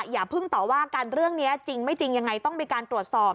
อย่าเพิ่งต่อว่ากันเรื่องนี้จริงไม่จริงยังไงต้องมีการตรวจสอบ